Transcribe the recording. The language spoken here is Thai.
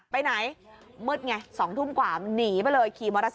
ไปไหนมึดไงสองทุ่มก่อนหนีไปเลยขี่มอเบรษไซส์